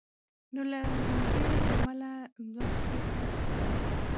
نو له همدې امله مخکې تګ کوي.